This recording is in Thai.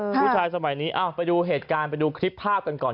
สมัยนี้ไปดูเหตุการณ์ไปดูคลิปภาพกันก่อน